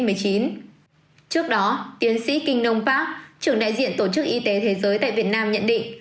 trước đó tiến sĩ kinh nông park trưởng đại diện tổ chức y tế thế giới tại việt nam nhận định